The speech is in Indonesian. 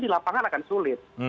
di lapangan akan sulit